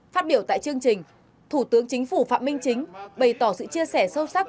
phát biểu tại chương trình thủ tướng chính phủ phạm minh chính bày tỏ sự chia sẻ sâu sắc